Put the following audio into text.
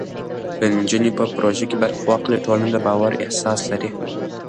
که نجونې په پروژو کې برخه واخلي، ټولنه د باور احساس لري.